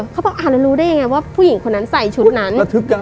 เขาบอกอ่าแล้วรู้ได้ยังไงว่าผู้หญิงคนนั้นใส่ชุดนั้น